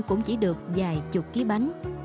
đã sản xuất được vài chục ký bánh